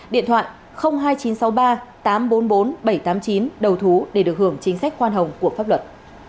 điện thoại hai nghìn chín trăm sáu mươi ba tám trăm bốn mươi bốn bảy trăm tám mươi chín đầu thú để được hưởng chính sách khoan hồng của pháp luật